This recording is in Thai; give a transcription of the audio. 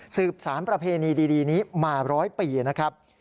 สืบสารประเพณีดีนี้มา๑๐๐ปีนะครับ